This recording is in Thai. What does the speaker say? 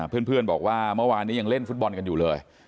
เพื่อนบอกว่าเมื่อวานนี้ยังเล่นฟุตบอลกันอยู่เลย